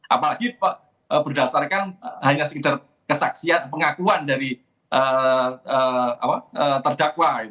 apalagi berdasarkan hanya sekedar kesaksian pengakuan dari terdakwa